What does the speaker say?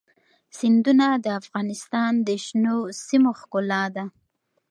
سیندونه د افغانستان د شنو سیمو ښکلا ده.